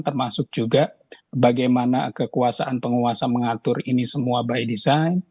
termasuk juga bagaimana kekuasaan penguasa mengatur ini semua by design